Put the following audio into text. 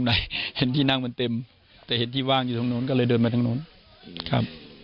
ได้มีการพูดคุยอะไรกับคนในคอลต์ครัวบ้างนะ